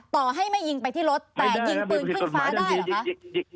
ต่อให้ไม่ยิงไปที่รถแต่ยิงปืนขึ้นฟ้าได้เหรอคะ